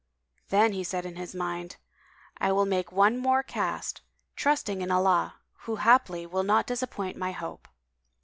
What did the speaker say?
Then he said in his mind, "I will make this one more cast, trusting in Allah who haply will not disappoint my hope."